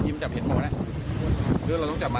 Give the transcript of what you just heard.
นี่ลือก็ไปนึงละทีนะพี่